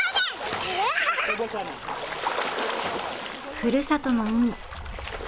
ふるさとの海。